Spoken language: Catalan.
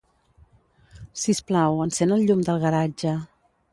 Sisplau, encén el llum del garatge.